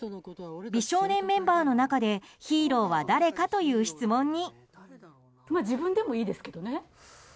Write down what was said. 美少年メンバーの中でヒーローは誰かという質問に。